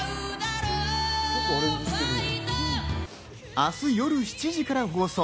明日夜７時から放送。